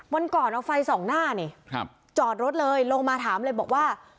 วันก่อนเอาไฟส่องหน้านี่จอดรถเลยลงมาถามเลยบอกว่า